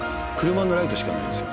車のライトしかないんですよ。